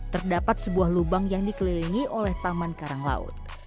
terdapat sebuah lubang yang dikelilingi oleh paman karang laut